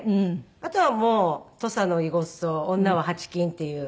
あとはもう土佐のいごっそう女ははちきんっていう。